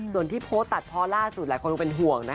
ส่วนที่โพสต์ตัดเพราะล่าสุดหลายคนก็เป็นห่วงนะคะ